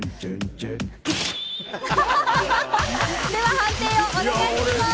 判定をお願いします。